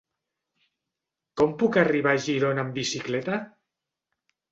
Com puc arribar a Girona amb bicicleta?